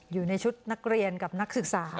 อยู่ในชุดนักเรียนกับนักศึกษา